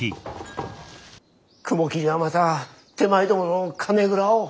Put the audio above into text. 雲霧がまた手前どもの金蔵を。